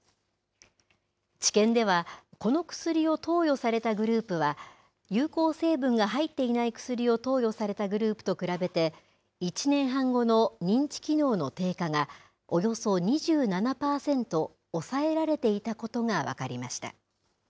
治験では、この薬を投与されたグループは有効成分が入っていない薬を投与されたグループと比べて、１年半後の認知機能の低下がおよそ２７％抑えられていたことが分かりました。